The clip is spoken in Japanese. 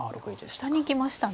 下に行きましたね。